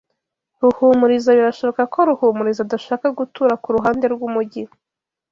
Ruhumuriza birashoboka ko Ruhumuriza adashaka gutura kuruhande rwumujyi.